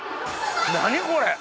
何これ！